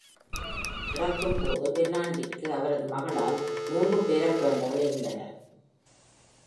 இறக்கும் போது, பெர்ட்ராண்டிற்கு அவரது மகளால் மூன்று பேரக்குழந்தைகள் இருந்தனர்.